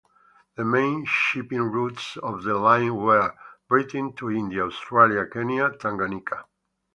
The main shipping routes of the line were: Britain to India, Australia, Kenya, Tanganyika.